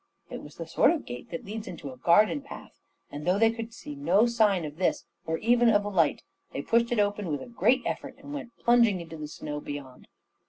It was the sort of gate that leads into a garden path; and though they could see no sign of this, or even of a light, they pushed it open with a great effort, and went plunging into the snow beyond.